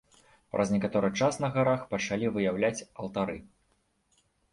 Праз некаторы час на гарах пачалі выяўляць алтары.